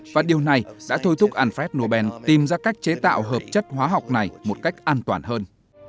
và điều này đã thôi thúc alfred nobel tìm ra cách chế tạo hợp chất hóa học này một cách an toàn hơn